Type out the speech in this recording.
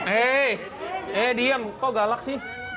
eh diam kok galak sih